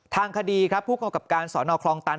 ทางคดีครับผู้กำกับการสอนอคลองตัน